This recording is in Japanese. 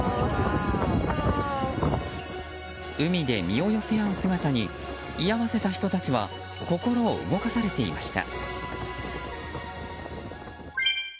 海で身を寄せ合う姿に居合わせた人たちは心を動かされていました。